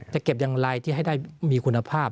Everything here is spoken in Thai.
จะเก็บอย่างไรที่ให้ได้มีคุณภาพ